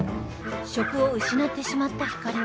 職を失ってしまったひかりは